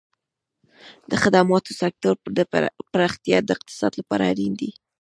د خدماتو سکتور پراختیا د اقتصاد لپاره اړین دی.